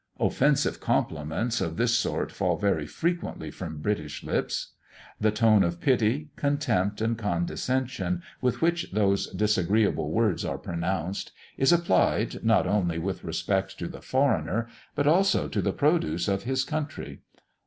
Offensive compliments of this sort fall very frequently from British lips. The tone of pity, contempt, and condescension, with which those disagreeable words are pronounced, is applied, not only with respect to the foreigner, but also to the produce of his country.